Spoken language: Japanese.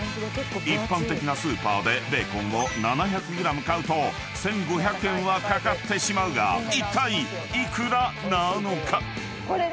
［一般的なスーパーでベーコンを７００ｇ買うと１，５００円はかかってしまうがいったい幾らなのか？］